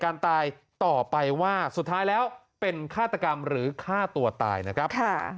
การตายต่อไปว่าสุดท้ายแล้วเป็นฆาตกรรมหรือฆ่าตัวตายนะครับ